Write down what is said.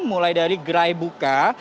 mulai dari gerai buka